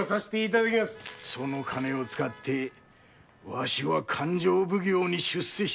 その金を使ってわしは勘定奉行に出世してみせるぞ。